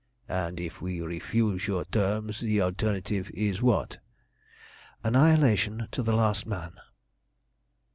"And if we refuse your terms, the alternative is what?" "Annihilation to the last man!"